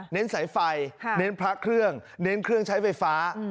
สายไฟเน้นพระเครื่องเน้นเครื่องใช้ไฟฟ้า